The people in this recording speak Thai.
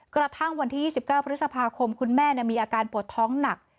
กระทั่งวันที่๒๙พฤษภาคมคุณแม่มีอาการปวดท้องหนัก